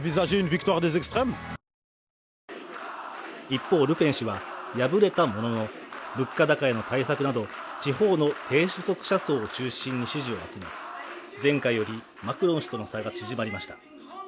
一方ルペン氏は敗れたものの物価高への対策など地方の低所得者層を中心に支持を集め前回よりマクロン氏との差が縮まりました